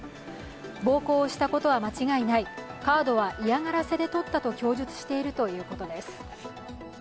暴行をしたことは間違いないカードは嫌がらせで取ったと供述しているということです。